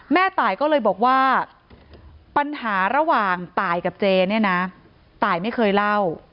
ตายก็เลยบอกว่าปัญหาระหว่างตายกับเจเนี่ยนะตายไม่เคยเล่า